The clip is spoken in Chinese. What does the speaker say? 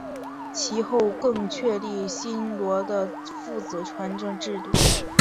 其后更确立新罗的父传子继位制度。